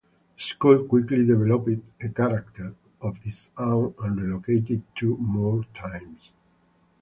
The school quickly developed a character of its own, and relocated two more times.